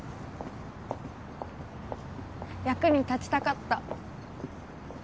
役に立ちたかった。